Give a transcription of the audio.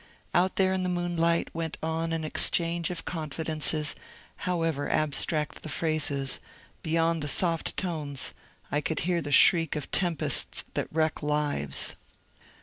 Out there in the moonlight went on an exchange of confidences, however ab stract the phrases; beyond the soft tones I could hear the shriek of tempests that wreck lives.